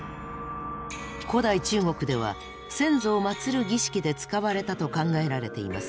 古代中国では先祖を祀る儀式で使われたと考えられています。